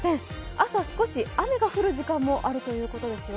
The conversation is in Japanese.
朝、少し雨が降る時間もあるということですよ。